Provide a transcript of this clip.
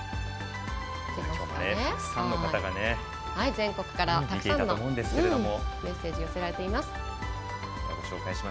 全国からたくさんのメッセージが寄せられています。